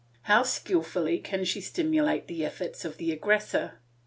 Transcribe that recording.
How skilfully can she stimulate the efforts of the aggressor.